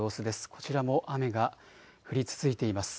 こちらも雨が降り続いています。